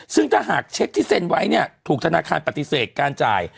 ซึ่งถ้าหากเช็คที่เซ็นไว้เนี่ยถูกธนาคารปฏิเสธการจ่าย